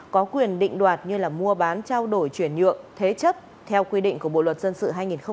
có quyền định đoạt như là mua bán trao đổi chuyển nhượng thế chấp theo quy định của bộ luật dân sự hai nghìn một mươi năm